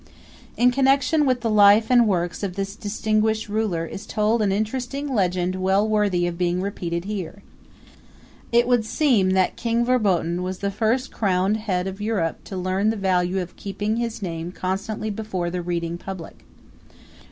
In connection with the life and works of this distinguished ruler is told an interesting legend well worthy of being repeated here. It would seem that King Verboten was the first crowned head of Europe to learn the value of keeping his name constantly before the reading public.